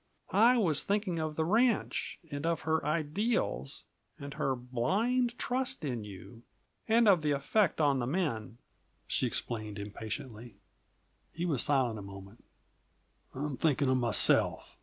"I was thinking of the ranch, and of her ideals, and her blind trust in you, and of the effect on the men," she explained impatiently. He was silent a moment. "I'm thinking of myself!"